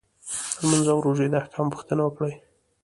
لمونځ او روژې د احکامو پوښتنه وکړي.